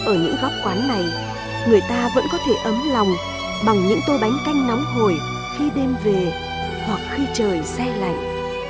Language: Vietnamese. ở những góc quán này người ta vẫn có thể ấm lòng bằng những tô bánh canh nóng hồi khi đêm về hoặc khi trời say lạnh